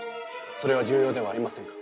それは重要ではありませんか？